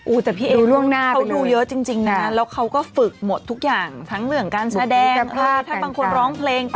อู๋แต่พี่เอ๊ยเขาดูเยอะจริงนะแล้วเขาก็ฝึกหมดทุกอย่างทั้งเหลืองการแสดงถ้าบางคนร้องเพลงเต้น